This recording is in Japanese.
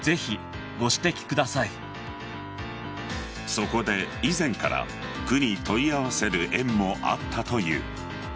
そこで、以前から区に問い合わせる園もあったという。